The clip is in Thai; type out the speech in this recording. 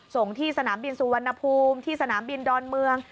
ส่งที่สนามบินสุวรรณภูมิที่สนามบินดอนเมือง